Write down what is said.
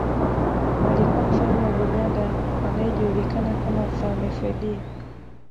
Alikuwa Mfalme wa Buganda anayejulikana kama Mfalme Freddie